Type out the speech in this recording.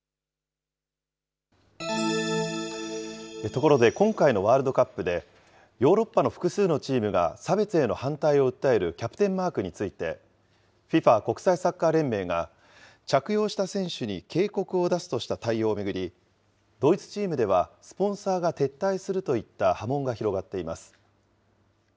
ところで、今回のワールドカップで、ヨーロッパの複数のチームが差別への反対を訴えるキャプテンマークについて、ＦＩＦＡ・国際サッカー連盟が着用した選手に警告を出すとした対応を巡り、ドイツチームでは、スポンサーが撤退するといった波紋が広がっています。